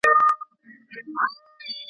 بشري حقونه روښانه معیار دی.